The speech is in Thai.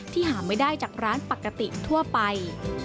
หาไม่ได้จากร้านปกติทั่วไป